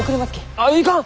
ああいかん！